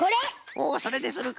おおそれでするか。